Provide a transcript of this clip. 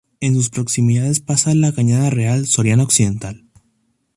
En sus proximidades pasa la Cañada Real Soriana Occidental.